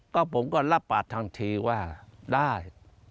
ก็ผมก็รับปากทันทีว่าได้